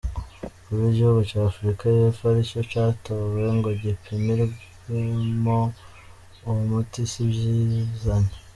Kuba igihugu ca Afrika yepfo ari co catowe ngo gipimirwemwo uwo muti si ivyizanye.